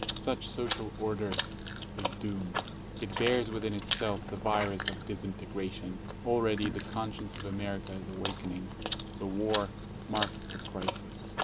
Such social "order" is doomed. It bears within itself the virus of disintegration. Already the conscience of America is awakening. The war marked the crisis.